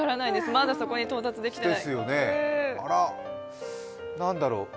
まだそこに到達できていない。